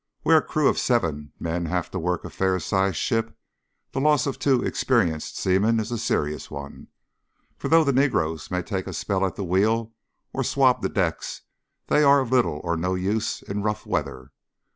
Where a crew of seven men have to work a fair sized ship the loss of two experienced seamen is a serious one, for though the negroes may take a spell at the wheel or swab the decks, they are of little or no use in rough weather.